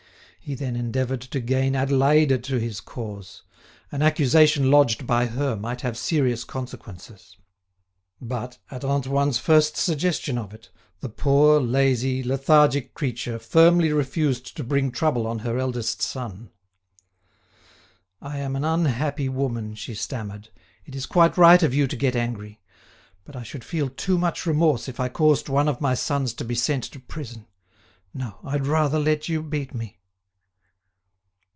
He then endeavoured to gain Adélaïde to his cause; an accusation lodged by her might have serious consequences. But, at Antoine's first suggestion of it, the poor, lazy, lethargic creature firmly refused to bring trouble on her eldest son. "I am an unhappy woman," she stammered; "it is quite right of you to get angry. But I should feel too much remorse if I caused one of my sons to be sent to prison. No; I'd rather let you beat me."